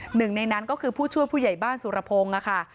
หนึ่งในนั้นก็คือผู้ช่วยผู้ใหญ่บ้านสุรพงศ์ค่ะ